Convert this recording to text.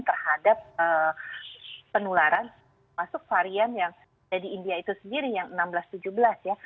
terhadap penularan masuk varian yang ada di india itu sendiri yang enam belas tujuh belas ya